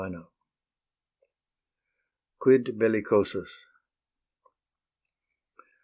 XI. QUID BELLICOSUS.